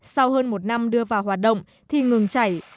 sau hơn một năm đưa vào hoạt động thì ngừng chảy